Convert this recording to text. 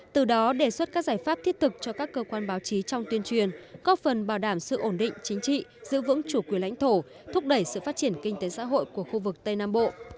từ đó đề xuất các giải pháp thiết thực cho các cơ quan báo chí trong tuyên truyền góp phần bảo đảm sự ổn định chính trị giữ vững chủ quyền lãnh thổ thúc đẩy sự phát triển kinh tế xã hội của khu vực tây nam bộ